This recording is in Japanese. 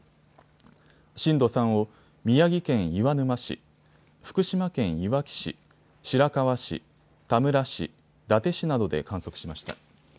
震度３を宮城県岩沼市、福島県いわき市、白河市、田村市、伊達市などで観測しました。